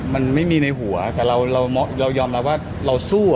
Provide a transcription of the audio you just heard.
มันไม่มีในหัวแต่เรายอมรับว่าเราสู้